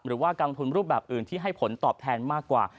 หรือว่ากองทุนรูปแบบอื่นที่ให้ผลตอบแทนมากกว่า